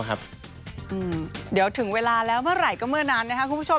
เดี๋ยวถึงเวลาแล้วเมื่อไหร่ก็เมื่อนั้นนะครับคุณผู้ชม